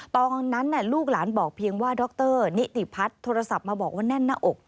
ตอนนั้นลูกหลานบอกเพียงว่าดรนิติพัฒน์โทรศัพท์มาบอกว่าแน่นหน้าอก